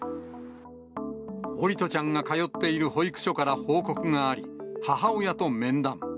桜利斗ちゃんが通っている保育所から報告があり、母親と面談。